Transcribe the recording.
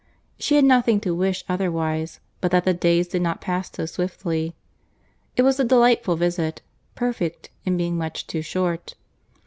She had nothing to wish otherwise, but that the days did not pass so swiftly. It was a delightful visit;—perfect, in being much too short.